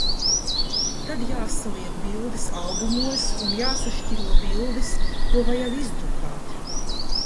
Tad jāsaliek bildes albumos un jāsašķiro bildes, ko vajag izdrukāt.